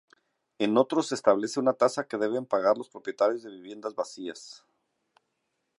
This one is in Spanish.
En otros se establece una tasa que deben pagar los propietarios de viviendas vacías.